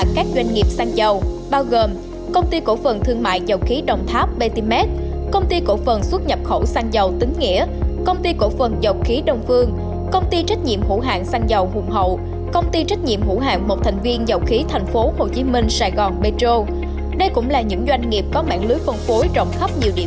các bạn hãy đăng ký kênh để ủng hộ kênh của chúng mình nhé